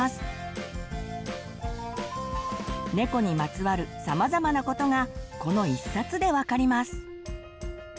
ねこにまつわるさまざまなことがこの一冊で分かります。